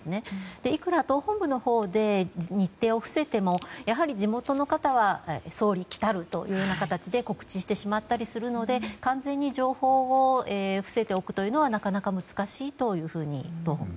いくら党本部のほうで日程を伏せてもやはり地元の方は総理た来る！というような形で告知してしまったりするので完全に情報を伏せているのはなかなか難しいと。